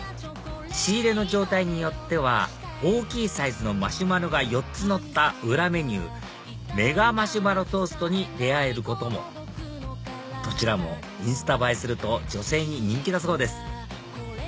仕入れの状態によっては大きいサイズのマシュマロが４つのった裏メニューメガマシュマロトーストに出会えることもどちらもインスタ映えすると女性に人気だそうです